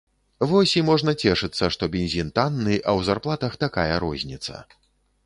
Вось і можна цешыцца, што бензін танны, а ў зарплатах такая розніца.